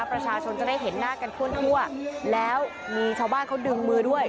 ประชาชนจะได้เห็นหน้ากันทั่วแล้วมีชาวบ้านเขาดึงมือด้วย